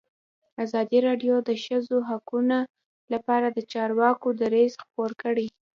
ازادي راډیو د د ښځو حقونه لپاره د چارواکو دریځ خپور کړی.